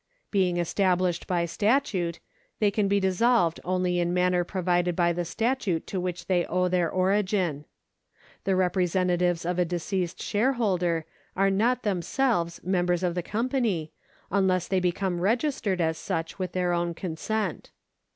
Being established by statute, they can be dissolved only in manner provided by the statute to which they owe their origin.^ The representatives of a deceased shareholder are not themselves members of the company, unless they become registered as such with their own consent.